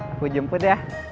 aku jemput ya